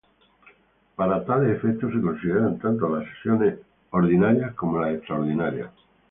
Para tales efectos, se consideran tanto las sesiones ordinarias como las extraordinarias.